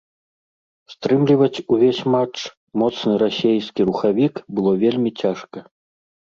Стрымліваць увесь матч моцны расейскі рухавік было вельмі цяжка.